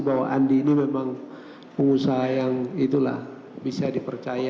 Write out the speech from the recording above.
bahwa andi ini memang pengusaha yang itulah bisa dipercaya